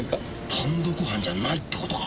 単独犯じゃないって事か。